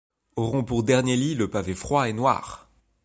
Auront pour dernier lit le pavé froid et noir !.